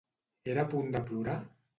Era a punt de plorar?